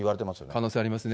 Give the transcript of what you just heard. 可能性ありますね。